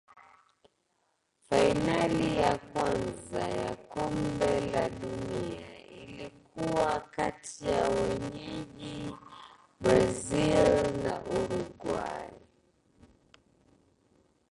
fainali ya kwanza ya kombe la dunia ilikuwa kati ya wenyeji brazil na uruguay